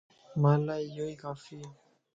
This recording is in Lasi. مان لا اھو اي ڪافيَ